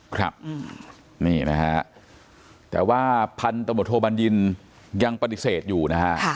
ครับนี่นะฮะแต่ว่าพันธมตโทบัญญินยังปฏิเสธอยู่นะฮะ